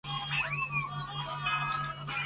圣天是许多重要的中观派论着的作者。